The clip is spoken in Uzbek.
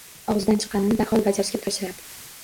Og‘zidan chiqqanini darhol bajarishga tirishardi.